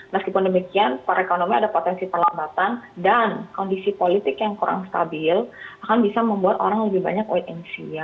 meskipun demikian para ekonomi ada potensi perlambatan dan kondisi politik yang kurang stabil akan bisa membuat orang lebih banyak wait and see ya